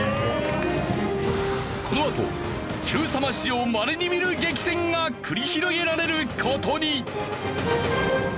このあと『Ｑさま！！』史上まれに見る激戦が繰り広げられる事に。